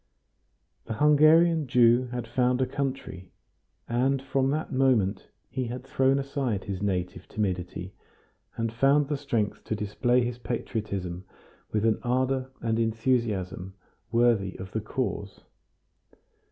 The Hungarian Jew had found a country, and from that moment he had thrown aside his native timidity, and found the strength to display his patriotism with an ardor and enthusiasm worthy of the cause.